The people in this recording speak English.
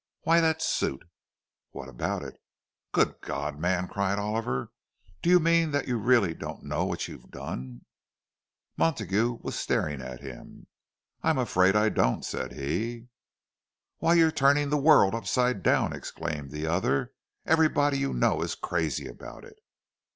"Why, that suit!" "What about it?" "Good God, man!" cried Oliver. "Do you mean that you really don't know what you've done?" Montague was staring at him. "I'm afraid I don't," said he. "Why, you're turning the world upside down!" exclaimed the other. "Everybody you know is crazy about it."